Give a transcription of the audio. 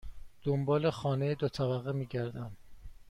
دنبال خانه دو طبقه می گردم.